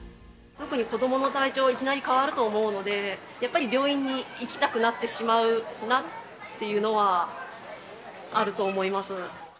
特に子どもの体調は、いきなり変わると思うので、やっぱり病院に行きたくなってしまうなっていうのはあると思います。